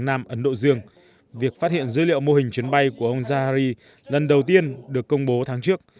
nam ấn độ dương việc phát hiện dữ liệu mô hình chuyến bay của ông zari lần đầu tiên được công bố tháng trước